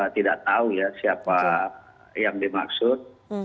tidak tahu ya siapa yang dimaksud